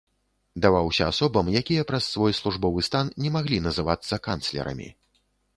Даваўся асобам, якія праз свой службовы стан не маглі называцца канцлерамі.